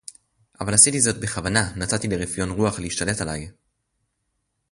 אבל עשיתי זאת בכוונה. נתתי לרפיון־רוח להשתלט עליי.